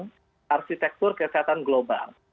bapak presiden jokowi mengusulkan suatu tata ulang